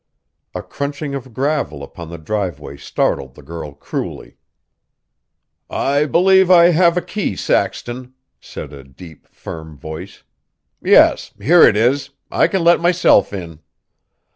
A crunching of gravel upon the driveway startled the girl cruelly. "I believe I have a key, Saxton," said a deep, firm voice; "yes: here it is, I can let myself in.